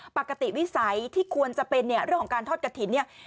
ปกติวิสัยที่ควรจะเป็นเนี่ยเรื่องของการทอดกระถิ่นเนี่ย